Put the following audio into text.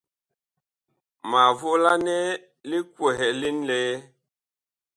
Ma volanɛ li kwɛhɛ li ŋlɛɛ.